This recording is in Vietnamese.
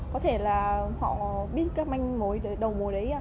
có thể là họ biết các manh mối đầu mồi đấy